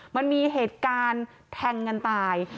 มันมีเหตุการณ์แทงกันตาย